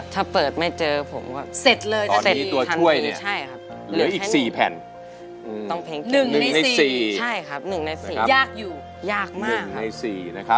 ถ้าเปิดไม่เจอผมก็